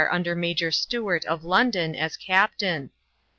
under Major Stuart, of London, as captain.